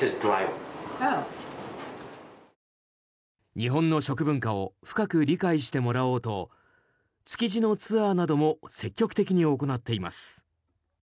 日本の食文化を深く理解してもらおうと築地のツアーなども積極的に行っています。